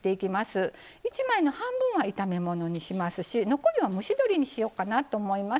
１枚の半分は炒め物にしますし残りは蒸し鶏にしようかなと思います。